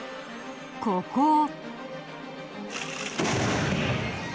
ここを。